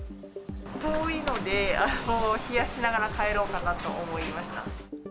遠いので、冷やしながら帰ろうかなと思いました。